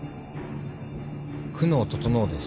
久能整です。